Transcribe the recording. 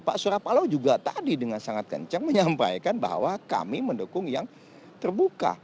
pak surya paloh juga tadi dengan sangat kencang menyampaikan bahwa kami mendukung yang terbuka